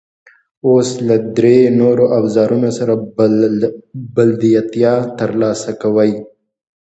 اوس له درې نورو اوزارونو سره بلدیتیا ترلاسه کوئ.